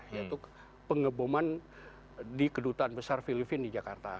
yaitu pengeboman di kedutaan besar filipina di jakarta